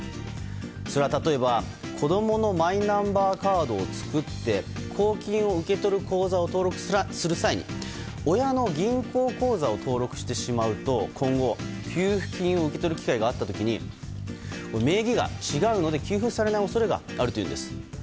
それは例えば、子供のマイナンバーカードを作って公金を受け取る口座を登録する際に親の銀行口座を登録してしまうと今後、給付金を受け取る機会があった時に名義が違うので給付されない恐れがあるというんです。